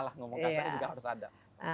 lah ngomongkan saya juga harus ada